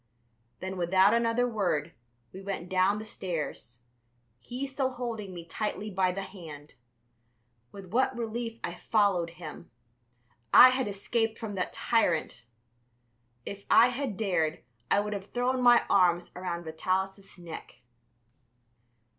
Then, without another word, we went down the stairs, he still holding me tightly by the hand. With what relief I followed him! I had escaped from that tyrant! If I had dared I would have thrown my arms around Vitalis' neck.